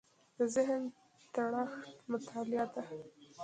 د ذهن تکړښت مطالعه ده.